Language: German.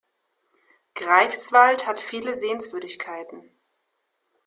Greifswald hat viele Sehenswürdigkeiten